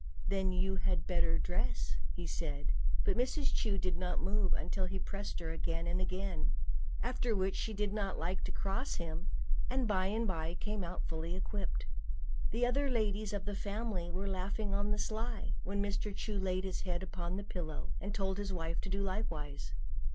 "Then you had better dress," said he; but Mrs. Chu did not move until he pressed her again and again, after which she did not like to cross him, and by and by came out all fully equipped. The other ladies of the family were laughing on the sly, when Mr. Chu laid his head upon the pillow, and told his wife to do likewise.